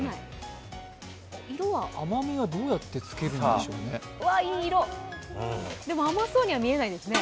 甘みはどうやってつけるんでしょうね。